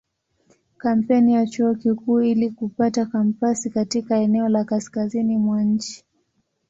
Kampeni ya Chuo Kikuu ili kupata kampasi katika eneo la kaskazini mwa nchi.